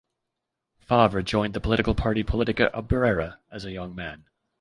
Favre joined the political party Politica Obrera as a young man.